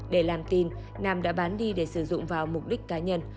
để làm tin nam đã bán đi để sử dụng vào mục đích cá nhân